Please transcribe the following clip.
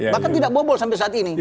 bahkan tidak bobol sampai saat ini